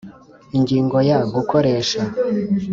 Ingingo Ya Gukoresha